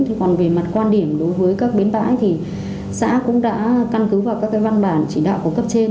thì còn về mặt quan điểm đối với các bến bãi thì xã cũng đã căn cứ vào các cái văn bản chỉ đạo của cấp trên